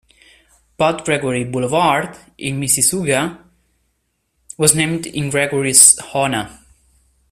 Bud Gregory Boulevard, in Mississauga, was named in Gregory's honour.